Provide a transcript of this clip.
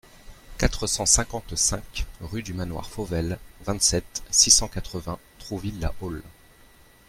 quatre cent cinquante-cinq rue du Manoir Fauvel, vingt-sept, six cent quatre-vingts, Trouville-la-Haule